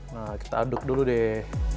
nah kita aduk dulu deh